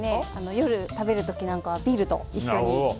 夜食べる時なんかはビールと一緒に。